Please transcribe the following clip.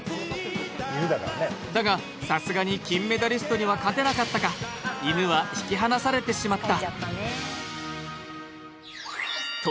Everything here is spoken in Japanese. だが、さすがに金メダリストには勝てなかったか、犬は引き離されてしまった。